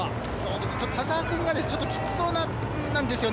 田澤君がキツそうなんですよね。